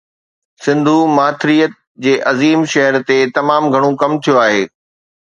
سنڌو ماٿريءَ جي عظيم شهر تي تمام گهڻو ڪم ٿيو آهي